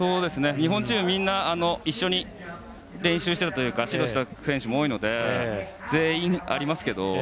日本チームはみんな一緒に練習しているというか指導している選手も多いので全員ありますけど。